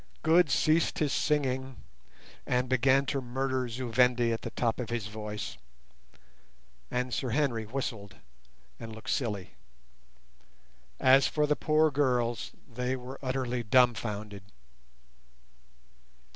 Good ceased his sighing, and began to murder Zu Vendi at the top of his voice, and Sir Henry whistled and looked silly. As for the poor girls, they were utterly dumbfounded.